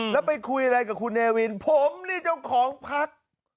แล้วไปคุยอะไรกับคุณเนวินผมนี่เจ้าของพัก